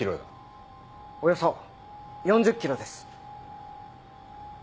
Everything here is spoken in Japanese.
およそ４０キロです。